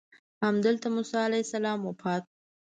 همدلته موسی علیه السلام وفات شو.